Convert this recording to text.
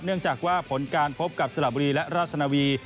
เนื่องจากว่าผลการพบกับสละบุรีและราชนาวี